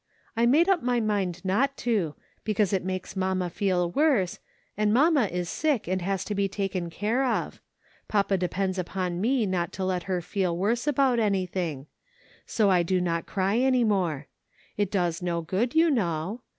I made up ray mind not to, because it makes mamma feel worse, and mamma is sick and has to be taken care of ; papa depends upon me not to let her feel worse about anything ; so I do not cry any more. It does no good, you know.